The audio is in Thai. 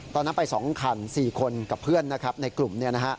ตอนนั้นไป๒คัน๔คนกับเพื่อนในกลุ่ม